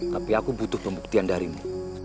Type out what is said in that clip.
tapi aku butuh pembuktian darimu